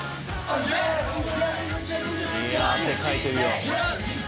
「いい汗かいてるよ」